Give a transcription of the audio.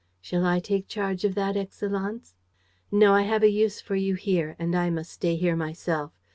"Shall I take charge of that, Excellenz?" "No, I have a use for you here and I must stay here myself.